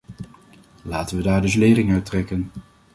Laten we daar dus lering uit trekken!